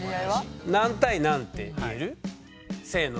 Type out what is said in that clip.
何対何って言える？せの！